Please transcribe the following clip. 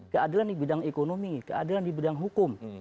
keadilan di bidang ekonomi keadilan di bidang hukum